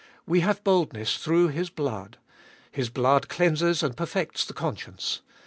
We have boldness through His blood His blood cleanses and perfects the conscience.